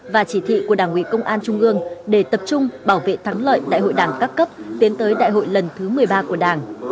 và chỉ thị của đảng ủy công an trung ương để tập trung bảo vệ thắng lợi đại hội đảng các cấp tiến tới đại hội lần thứ một mươi ba của đảng